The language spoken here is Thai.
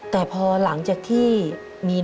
แม่จำงานอะไรนะครับ